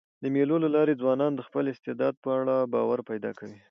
د مېلو له لاري ځوانان د خپل استعداد په اړه باور پیدا کوي.